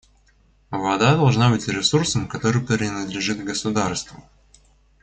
Вода должна быть ресурсом, который принадлежит государству.